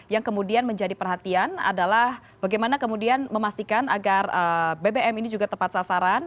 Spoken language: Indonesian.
yang kemudian menjadi perhatian adalah bagaimana kemudian memastikan agar bbm ini juga tepat sasaran